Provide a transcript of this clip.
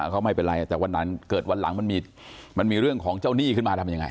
ก็ไม่เป็นไรแต่วันนั้นเกิดวันหลังมันมีเรื่องของเจ้าหนี้ขึ้นมาทำยังไง